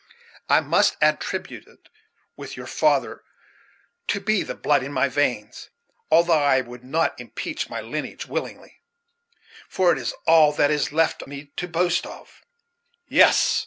I must attribute it, with your father, to the blood in my veins, although I would not impeach my lineage willingly; for it is all that is left me to boast of. Yes!